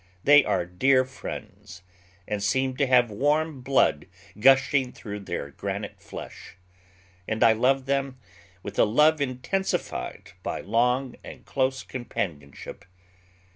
They are dear friends, and seemed to have warm blood gushing through their granite flesh; and I love them with a love intensified by long and close companionship.